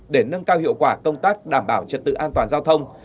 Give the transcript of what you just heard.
để nâng cao hiệu quả công tác đảm bảo trật tự an toàn giao thông